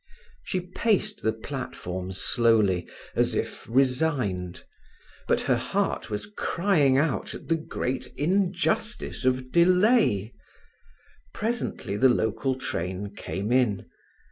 She paced the platform slowly, as if resigned, but her heart was crying out at the great injustice of delay. Presently the local train came in.